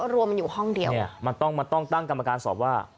รวมอยู่ห้องเดียวมันต้องตั้งกรรมการสอบว่า